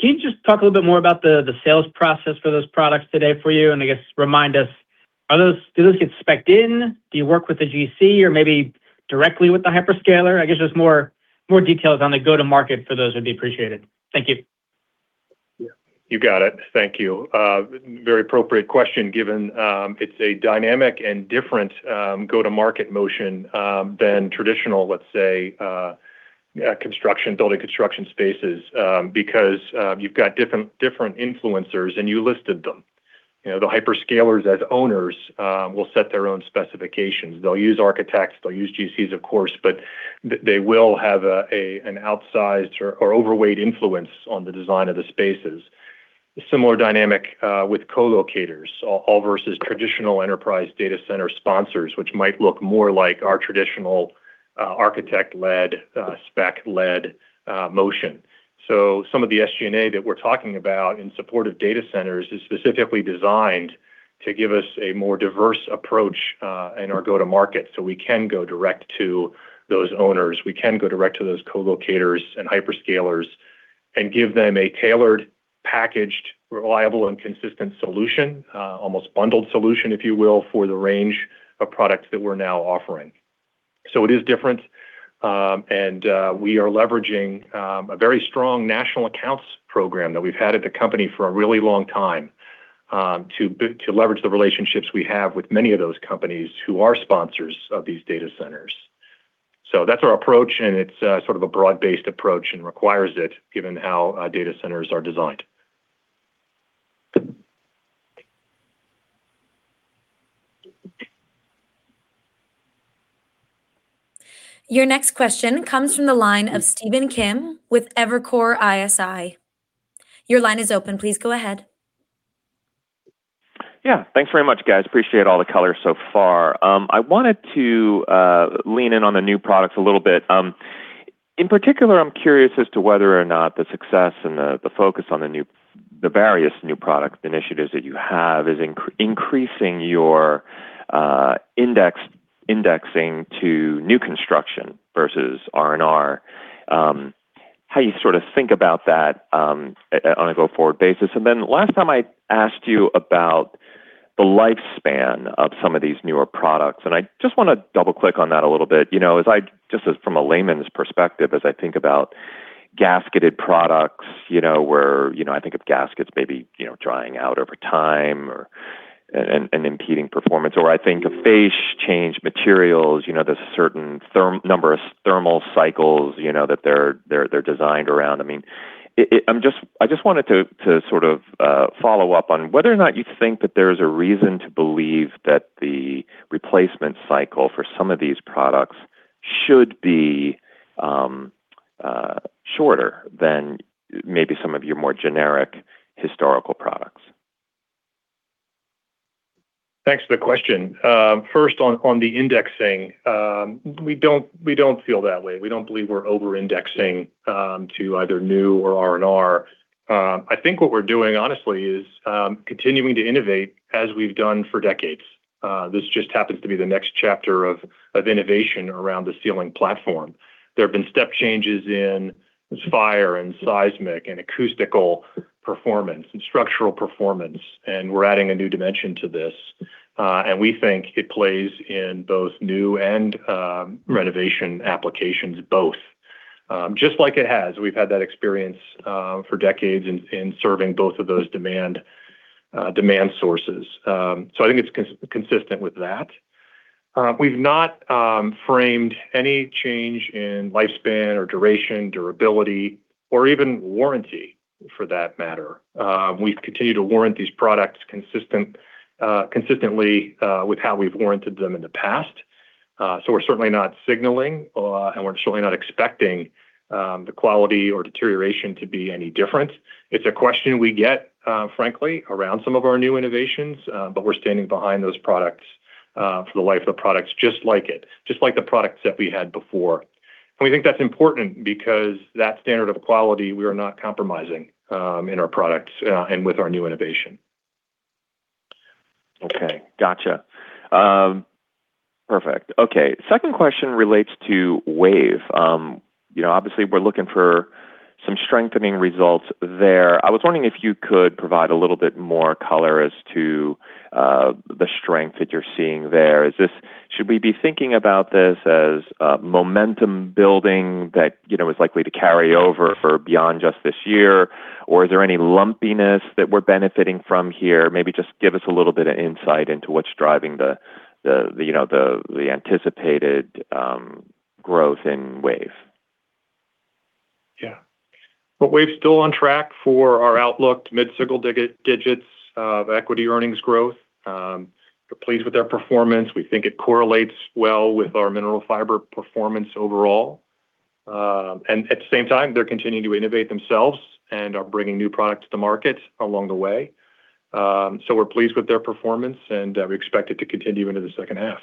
Can you just talk a little bit more about the sales process for those products today for you? I guess remind us, do those get specced in? Do you work with the GC or maybe directly with the hyperscaler? I guess just more details on the go-to-market for those would be appreciated. Thank you. You got it. Thank you. Very appropriate question given it's a dynamic and different go-to-market motion than traditional, let's say, building construction spaces because you've got different influencers, and you listed them. The hyperscalers as owners will set their own specifications. They'll use architects, they'll use GCs, of course, but they will have an outsized or overweight influence on the design of the spaces. Similar dynamic with co-locators, all versus traditional enterprise data center sponsors, which might look more like our traditional architect-led, spec-led motion. Some of the SG&A that we're talking about in supportive data centers is specifically designed to give us a more diverse approach in our go-to-market so we can go direct to those owners, we can go direct to those co-locators and hyperscalers and give them a tailored, packaged, reliable, and consistent solution, almost bundled solution if you will, for the range of products that we're now offering. It is different. We are leveraging a very strong national accounts program that we've had at the company for a really long time to leverage the relationships we have with many of those companies who are sponsors of these data centers. That's our approach, it's sort of a broad-based approach and requires it given how data centers are designed. Your next question comes from the line of Stephen Kim with Evercore ISI. Your line is open. Please go ahead. Yeah. Thanks very much, guys. Appreciate all the color so far. I wanted to lean in on the new products a little bit. In particular, I am curious as to whether or not the success and the focus on the various new product initiatives that you have is increasing your indexing to new construction versus R&R, how you sort of think about that on a go-forward basis. Last time I asked you about the lifespan of some of these newer products, I just want to double-click on that a little bit. Just from a layman's perspective, as I think about gasketed products, where I think of gaskets maybe drying out over time or impeding performance, or I think of phase change materials, there's a certain number of thermal cycles that they're designed around. I just wanted to sort of follow up on whether or not you think that there's a reason to believe that the replacement cycle for some of these products should be shorter than maybe some of your more generic historical products. Thanks for the question. First on the indexing, we don't feel that way. We don't believe we're over-indexing to either new or R&R. I think what we're doing, honestly, is continuing to innovate as we've done for decades. This just happens to be the next chapter of innovation around the ceiling platform. There have been step changes in fire, seismic, acoustical performance, structural performance, and we're adding a new dimension to this. We think it plays in both new and renovation applications both. Just like it has. We've had that experience for decades in serving both of those demand sources. I think it's consistent with that. We've not framed any change in lifespan or duration, durability, or even warranty for that matter. We continue to warrant these products consistently with how we've warranted them in the past. We're certainly not signaling, and we're certainly not expecting the quality or deterioration to be any different. It's a question we get, frankly, around some of our new innovations. We're standing behind those products for the life of the products just like it. Just like the products that we had before. We think that's important because that standard of quality, we are not compromising in our products and with our new innovation. Okay. Gotcha. Perfect. Okay. Second question relates to WAVE. Obviously, we're looking for some strengthening results there. I was wondering if you could provide a little bit more color as to the strength that you're seeing there. Should we be thinking about this as momentum building that is likely to carry over for beyond just this year? Or is there any lumpiness that we're benefiting from here? Maybe just give us a little bit of insight into what's driving the anticipated growth in WAVE. Well, WAVE's still on track for our outlook mid-single digits of equity earnings growth. We're pleased with their performance. We think it correlates well with our Mineral Fiber performance overall. At the same time, they're continuing to innovate themselves and are bringing new products to the market along the way. We're pleased with their performance, and we expect it to continue into the second half.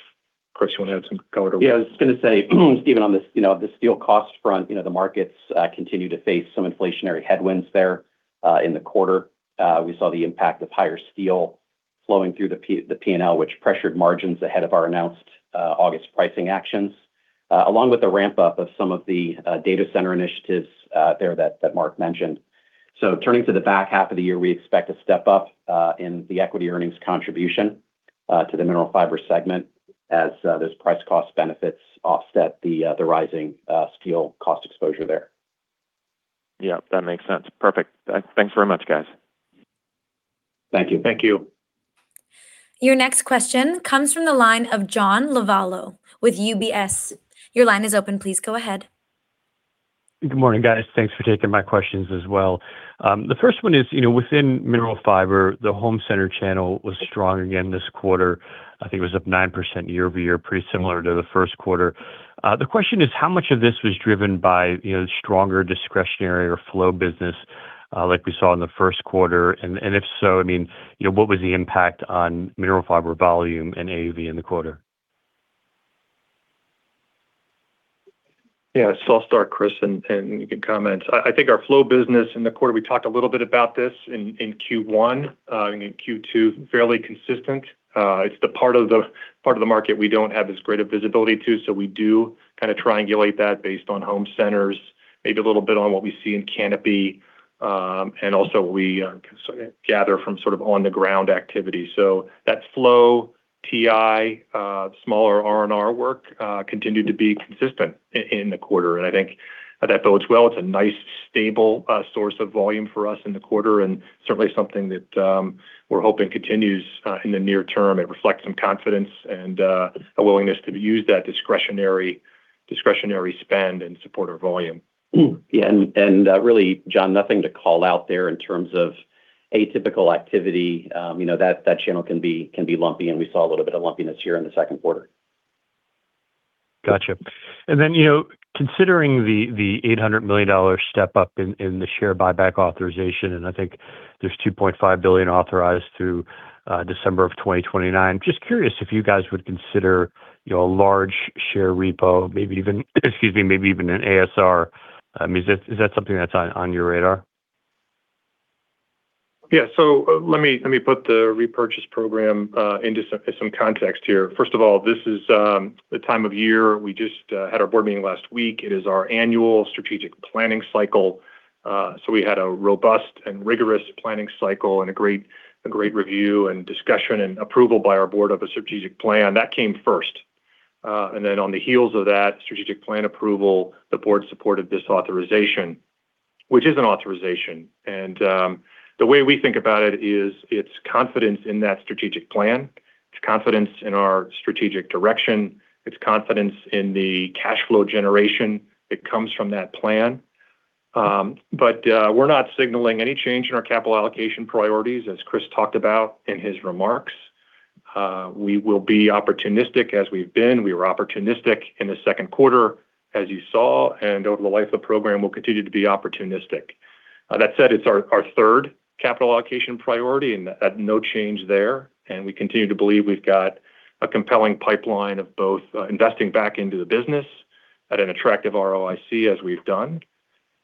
Chris, you want to add some color to that? I was going to say, Stephen, on the steel cost front, the markets continue to face some inflationary headwinds there in the quarter. We saw the impact of higher steel flowing through the P&L, which pressured margins ahead of our announced August pricing actions, along with the ramp-up of some of the data center initiatives there that Mark mentioned. Turning to the back half of the year, we expect a step-up in the equity earnings contribution to the Mineral Fiber segment as those price cost benefits offset the rising steel cost exposure there. Yep, that makes sense. Perfect. Thanks very much, guys. Thank you. Thank you. Your next question comes from the line of John Lovallo with UBS. Your line is open. Please go ahead. Good morning, guys. Thanks for taking my questions as well. The first one is, within Mineral Fiber, the home center channel was strong again this quarter. I think it was up 9% year-over-year, pretty similar to the first quarter. The question is how much of this was driven by stronger discretionary or flow business like we saw in the first quarter? If so, what was the impact on Mineral Fiber volume and AUV in the quarter? Yeah. I'll start, Chris, and you can comment. I think our flow business in the quarter, we talked a little bit about this in Q1 and in Q2, fairly consistent. It's the part of the market we don't have as great a visibility to, so we do kind of triangulate that based on home centers, maybe a little bit on what we see in Kanopi, and also what we gather from sort of on-the-ground activity. That flow TI, smaller R&R work, continued to be consistent in the quarter, and I think that bodes well. It's a nice stable source of volume for us in the quarter, and certainly something that we're hoping continues in the near term. It reflects some confidence and a willingness to use that discretionary spend and support our volume. Yeah. Really, John, nothing to call out there in terms of atypical activity. That channel can be lumpy, and we saw a little bit of lumpiness here in the second quarter. Got you. Then, considering the $800 million step-up in the share buyback authorization, and I think there's $2.5 billion authorized through December of 2029, just curious if you guys would consider a large share repo, maybe even an ASR. Is that something that's on your radar? Yeah. Let me put the repurchase program into some context here. First of all, this is the time of year, we just had our board meeting last week. It is our annual strategic planning cycle. We had a robust and rigorous planning cycle and a great review and discussion and approval by our board of a strategic plan. That came first. Then on the heels of that strategic plan approval, the board supported this authorization, which is an authorization. The way we think about it is it's confidence in that strategic plan. It's confidence in our strategic direction. It's confidence in the cash flow generation that comes from that plan. We're not signaling any change in our capital allocation priorities, as Chris talked about in his remarks. We will be opportunistic as we've been. We were opportunistic in the second quarter, as you saw, and over the life of the program, we'll continue to be opportunistic. That said, it's our third capital allocation priority, and no change there, and we continue to believe we've got a compelling pipeline of both investing back into the business at an attractive ROIC, as we've done,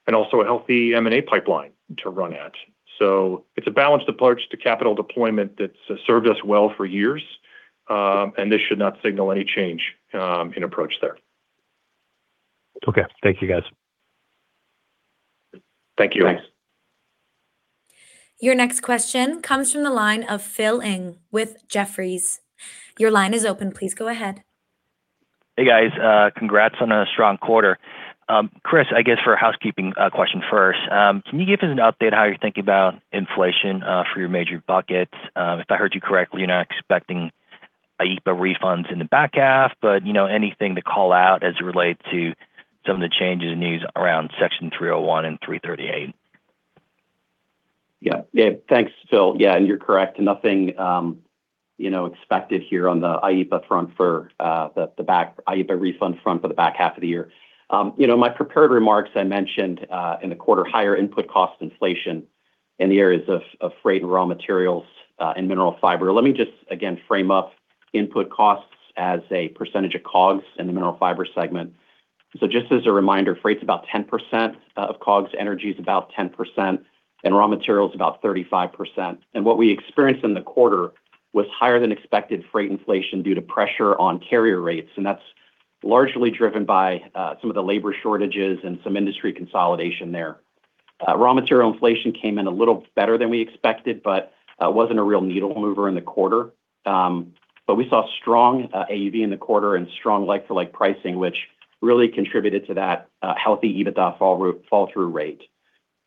and also a healthy M&A pipeline to run at. It's a balanced approach to capital deployment that's served us well for years. This should not signal any change in approach there. Okay. Thank you, guys. Thank you. Thanks. Your next question comes from the line of Phil Ng with Jefferies. Your line is open. Please go ahead. Hey, guys. Congrats on a strong quarter. Chris, I guess for a housekeeping question first. Can you give us an update how you're thinking about inflation for your major buckets? If I heard you correctly, you're not expecting IEEPA refunds in the back half, anything to call out as it relates to some of the changes and news around Section 301 and 338? Thanks, Phil. You're correct. Nothing expected here on the IEEPA refund front for the back half of the year. In my prepared remarks, I mentioned in the quarter higher input cost inflation in the areas of freight and raw materials and Mineral Fiber. Let me just, again, frame up input costs as a percentage of COGS in the Mineral Fiber segment. Just as a reminder, freight's about 10% of COGS, energy is about 10%, and raw material is about 35%. What we experienced in the quarter was higher than expected freight inflation due to pressure on carrier rates. That's largely driven by some of the labor shortages and some industry consolidation there. Raw material inflation came in a little better than we expected, wasn't a real needle mover in the quarter. We saw strong AUV in the quarter and strong like-for-like pricing, which really contributed to that healthy EBITDA fall-through rate.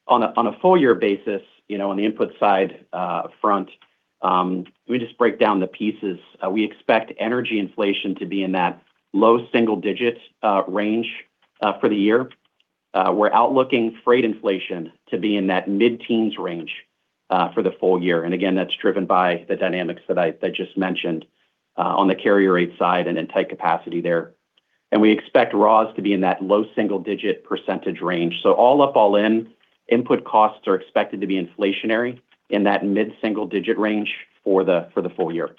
On a full-year basis, on the input side front, let me just break down the pieces. We expect energy inflation to be in that low single digits range for the year. We're outlooking freight inflation to be in that mid-teens range for the full year. Again, that's driven by the dynamics that I just mentioned on the carrier rate side and in tight capacity there. We expect raws to be in that low single digit percentage range. All up, all in, input costs are expected to be inflationary in that mid-single digit range for the full year.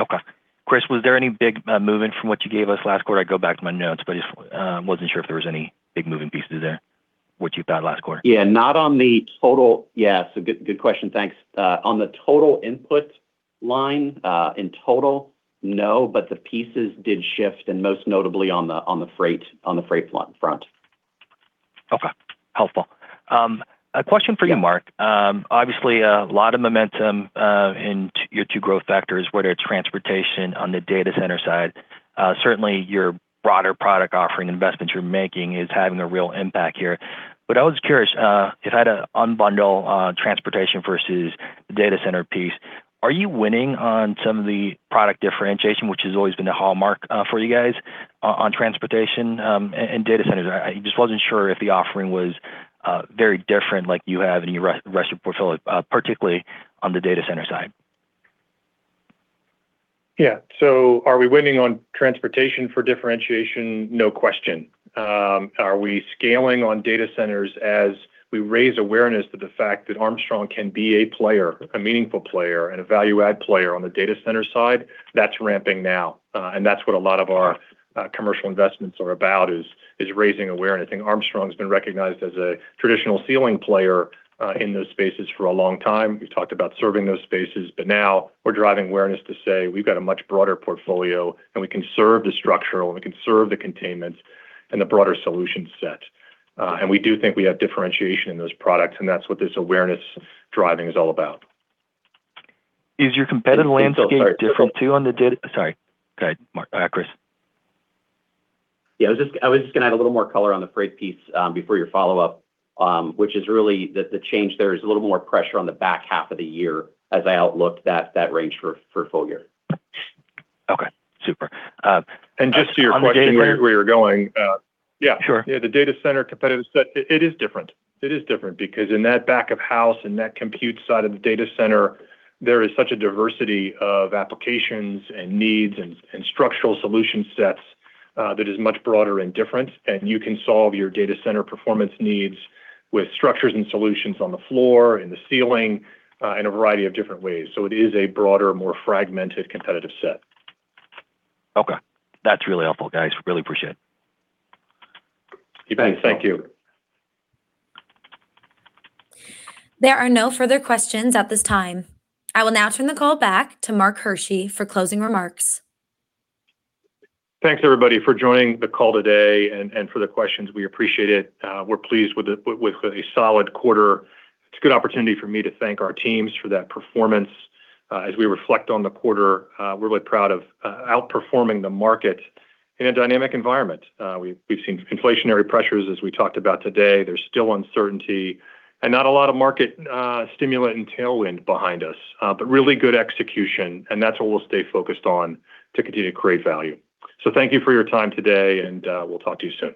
Okay. Chris, was there any big movement from what you gave us last quarter? I go back to my notes, just wasn't sure if there was any big moving pieces there, what you've got last quarter. Good question. Thanks. On the total input line, in total, no, but the pieces did shift and most notably on the freight front. Helpful. A question for you, Mark. A lot of momentum in your two growth factors, whether it's transportation on the data center side. Your broader product offering, investments you're making is having a real impact here. I was curious, if I had to unbundle transportation versus the data center piece, are you winning on some of the product differentiation, which has always been the hallmark for you guys on transportation and data centers? I just wasn't sure if the offering was very different like you have in your rest of portfolio, particularly on the data center side. Are we winning on transportation for differentiation? No question. Are we scaling on data centers as we raise awareness to the fact that Armstrong can be a player, a meaningful player, and a value-add player on the data center side? That's ramping now. That's what a lot of our commercial investments are about, is raising awareness. I think Armstrong's been recognized as a traditional ceiling player in those spaces for a long time. We've talked about serving those spaces, but now we're driving awareness to say we've got a much broader portfolio, and we can serve the structural, and we can serve the containments, and the broader solution set. We do think we have differentiation in those products, and that's what this awareness driving is all about. Is your competitive landscape different too? Sorry. Go ahead, Chris. Yeah, I was just going to add a little more color on the freight piece before your follow-up, which is really that the change there is a little more pressure on the back half of the year as I outlook that range for full year. Okay. Super. Just to your question, where you're going. Sure. Yeah, the data center competitive set, it is different. It is different because in that back of house and that compute side of the data center, there is such a diversity of applications and needs and structural solution sets that is much broader and different. You can solve your data center performance needs with structures and solutions on the floor and the ceiling in a variety of different ways. It is a broader, more fragmented, competitive set. Okay. That's really helpful, guys. Really appreciate it. Thanks. Thank you. There are no further questions at this time. I will now turn the call back to Mark Hershey for closing remarks. Thanks everybody for joining the call today, and for the questions, we appreciate it. We're pleased with a solid quarter. It's a good opportunity for me to thank our teams for that performance. As we reflect on the quarter, we're really proud of outperforming the market in a dynamic environment. We've seen inflationary pressures, as we talked about today. There's still uncertainty and not a lot of market stimulant and tailwind behind us. Really good execution, and that's what we'll stay focused on to continue to create value. Thank you for your time today, and we'll talk to you soon.